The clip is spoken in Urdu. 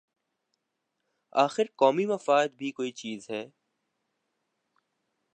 آخر قومی مفاد بھی کوئی چیز ہے۔